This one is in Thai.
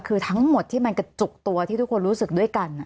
คือทั้งหมดที่มันกระจุกตัวที่ทุกคนรู้สึกด้วยกัน